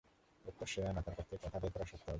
লোকটা সেয়ানা, তার কাছ থেকে কথা আদায় করা শক্ত হবে।